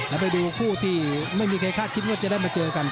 แล้วไปดูคู่ที่ไม่มีใครคาดคิดว่าจะได้มาเจอกัน